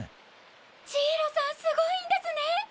ジイロさんすごいんですね。